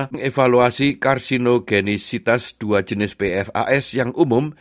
mengevaluasi karsinogenisitas dua jenis pfas yang umum